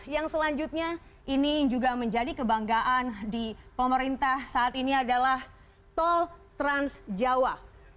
yang selanjutnya ini juga menjadi kebanggaan di pemerintah saat ini adalah tol trans jawa